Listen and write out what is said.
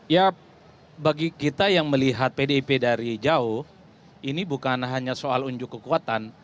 ya bagi kita yang melihat pdip dari jauh ini bukan hanya soal unjuk kekuatan